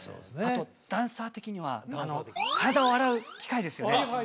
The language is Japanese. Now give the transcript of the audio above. あとダンサー的には体を洗う機械ですよね